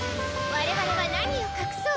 我々は何を隠そう！